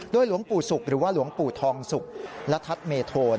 หลวงปู่ศุกร์หรือว่าหลวงปู่ทองสุกและทัศน์เมโทน